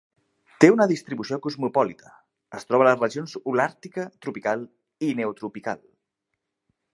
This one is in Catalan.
Té una distribució cosmopolita, es troba a les regions Holàrtica, tropical i Neotropical.